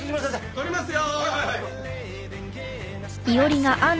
撮りますよ